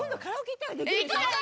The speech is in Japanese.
行きたい。